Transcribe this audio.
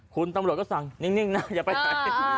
คุณตำรวจก็สั่งนิ่งนะอย่าไปไหน